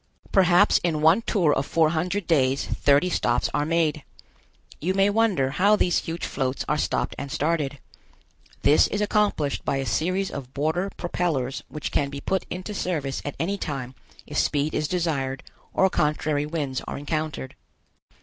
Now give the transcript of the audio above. Perhaps in one tour of four hundred days thirty stops are made. You may wonder how these huge floats are stopped and started. This is accomplished by a series of border propellors which can be put into service at any time if speed is desired or contrary winds are encountered.